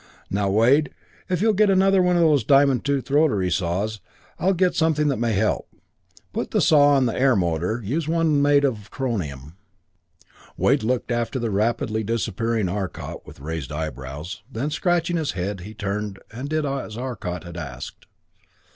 Now, Wade, if you'll get another of those diamond tooth rotary saws, I'll get something that may help. Put the saw on the air motor. Use the one made of coronium." Wade looked after the rapidly disappearing Arcot with raised eyebrows, then, scratching his head, he turned and did as Arcot had asked.